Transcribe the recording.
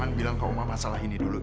jadi singkong sama tenter bride gue